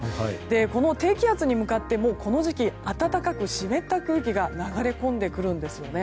この低気圧に向かってこの時期、暖かく湿った空気が流れ込んでくるんですよね。